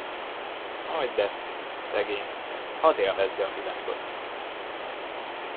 Hagyd ezt, szegényt, hadd élvezze a világot!